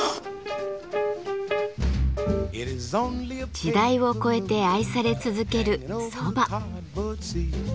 時代を超えて愛され続ける蕎麦。